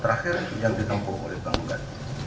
terakhir yang ditempuh oleh penggugat